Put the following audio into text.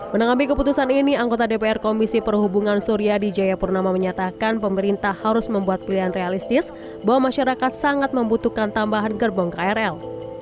menanggapi keputusan ini anggota dpr komisi perhubungan suryadi jayapurnama menyatakan pemerintah harus membuat pilihan realistis bahwa masyarakat sangat membutuhkan tambahan gerbong krl